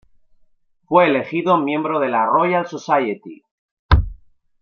Fue elegido miembro de la Royal Society.